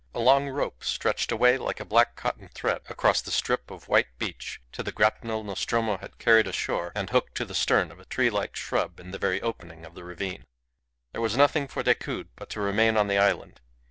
A long rope stretched away like a black cotton thread across the strip of white beach to the grapnel Nostromo had carried ashore and hooked to the stem of a tree like shrub in the very opening of the ravine. There was nothing for Decoud but to remain on the island.